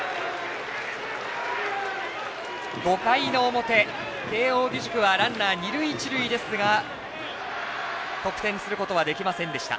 ５回の表、慶応義塾はランナー、二塁一塁ですが得点することはできませんでした。